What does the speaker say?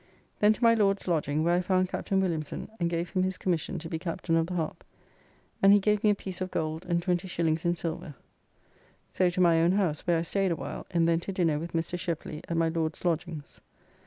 Then to my Lord's lodging where I found Captain Williamson and gave him his commission to be Captain of the Harp, and he gave me a piece of gold and 20s. in silver. So to my own house, where I staid a while and then to dinner with Mr. Shepley at my Lord's lodgings.